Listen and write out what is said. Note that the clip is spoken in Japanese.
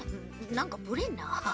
なんかぶれんな。